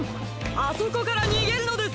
あそこからにげるのです！